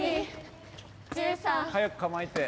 早く構えて。